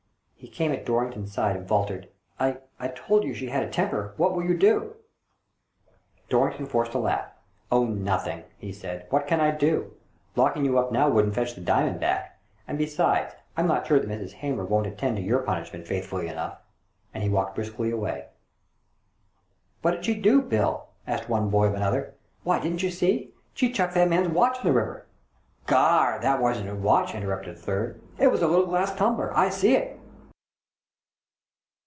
He came at Dorrington's side and faltered, " I — I told you she had a temper. What will you do ?" Dorrington forced a laugh. " Oh, nothing," he said. "What can I do? Locking you up now wouldn't fetch the diamond back. And besides I'm not sure that Mrs. Hamer won't attend to your punishment faithfully enough." And he walked briskly away. "^Vhat did she do, Bill?" asked one boy of another. " Why, didn't ye see? She chucked that man's watch in the river." " Garn ! that wasn't his watch !" interrupted a third, " it was a little glass tumbler. I see it